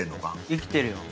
生きてるよ。